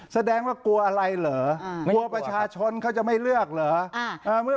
แสดงว่ากลัวอะไรเหรอกลัวประชาชนเขาจะไม่เลือกเหรอ